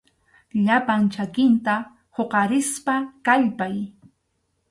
Llapan chakinta huqarispa kallpay.